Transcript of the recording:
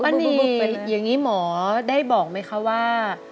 อย่างนี้หมอได้บอกไหมคะว่า